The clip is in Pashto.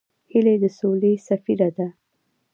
هیلۍ د سولې سفیره ده